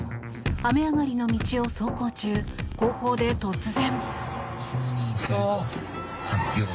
雨上がりの道を走行中後方で突然。